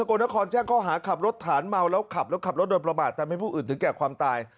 กลนครแจ้งข้อหาขับรถฐานเมาแล้วขับแล้วขับรถโดยประมาททำให้ผู้อื่นถึงแก่ความตาย